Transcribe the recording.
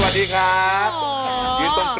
ร้องได้ให้ล้านกับพวกเราค่ะ